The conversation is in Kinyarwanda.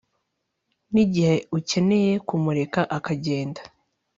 nigihe ukeneye kumureka akagenda